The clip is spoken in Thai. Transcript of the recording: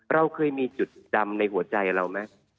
เราเคยมีจุดจำในหัวใจเราไหม